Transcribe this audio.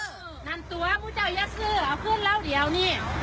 นั่นตัวผู้เจ้ายักษ์เสื้อเอาเพื่อนเราเดี๋ยวนี่